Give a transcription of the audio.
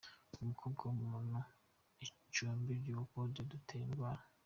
Umukondo w’umuntu, icumbi ry’udukoko dutera indwara